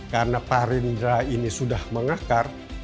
karena parinda ini sudah mengakar